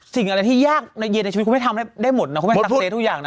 สิ่งอะไรที่ยากในมือเย็นชีวิตคุณไม่คักเซทูอย่างน่ะ